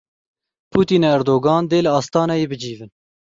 Putin û Erdogan dê li Astanayê bicivin.